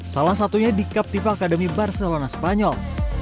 salah satunya di captiva academy barcelona spanyol